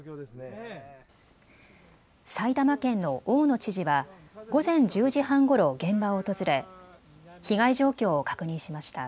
埼玉県の大野知事は午前１０時半ごろ現場を訪れ被害状況を確認しました。